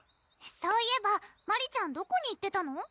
そういえばマリちゃんどこに行ってたの？